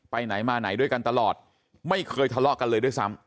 ไปไหนมาไหนด้วยกันตลอดไม่เคยทะเลาะกันเลยด้วยซ้ำ